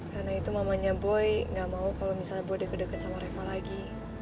karena itu mamanya boy nggak mau kalau misalnya boy deket deket sama reva lagi